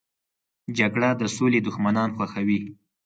جګړه د سولې دښمنان خوښوي